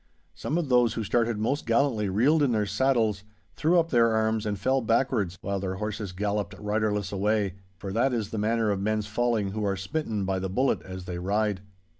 Some of those who started most gallantly reeled in their saddles, threw up their arms and fell backwards, while their horses galloped riderless away, for that is the manner of men's falling who are smitten by the bullet as they ride.